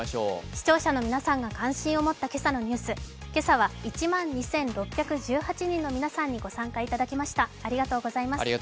視聴者の皆さんが関心を持った今朝のニュース、今朝は１万２６１８人の皆さんにご参加いただきました、ありがとうございます。